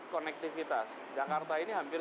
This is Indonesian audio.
konektivitas jakarta ini hampir